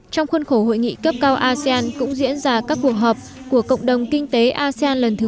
trong khuôn khổ hội nghị cấp cao asean cũng diễn ra các cuộc họp của cộng đồng kinh tế asean lần thứ ba mươi